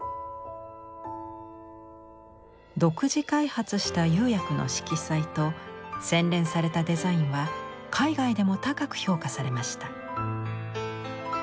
独自開発した釉薬の色彩と洗練されたデザインは海外でも高く評価されました。